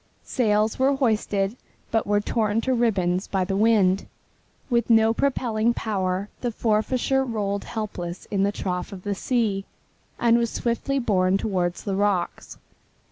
Sails were hoisted, but were torn to ribbons by the wind. With no propelling power the Forfarshire rolled helpless in the trough of the sea, and was swiftly borne toward the rocks.